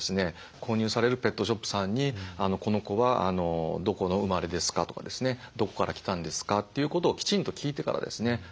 購入されるペットショップさんに「この子はどこの生まれですか？」とかですね「どこから来たんですか？」ということをきちんと聞いてからですね